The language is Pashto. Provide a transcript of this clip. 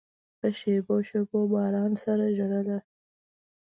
په شېبو، شېبو باران سره ژړله